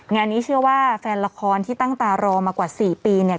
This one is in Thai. งานนี้เชื่อว่าแฟนละครที่ตั้งตารอมากว่า๔ปีเนี่ย